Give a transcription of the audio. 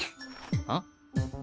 あっ？